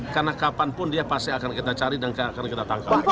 karena kapanpun dia pasti akan kita cari dan akan kita tangkap